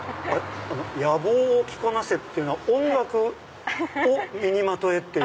野望を着こなせっていうのは音楽を身にまとえっていう？